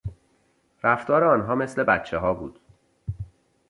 رفتار آنها مثل بچهها بود.